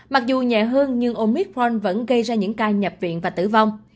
mặc dù nhẹ hơn nhưng omicron vẫn gây ra những ca nhập viện và tử vong